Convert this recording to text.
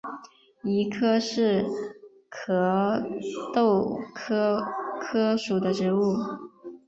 谊柯是壳斗科柯属的植物。